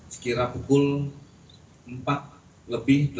sekira pukul empat lebih delapan belas dini hari